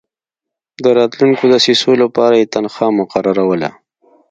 د راتلونکو دسیسو لپاره یې تنخوا مقرروله.